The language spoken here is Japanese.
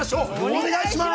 お願いします！